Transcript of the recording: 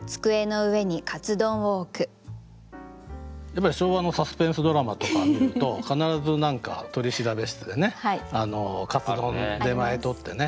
やっぱり昭和のサスペンスドラマとか見ると必ず取り調べ室でカツ丼出前とってね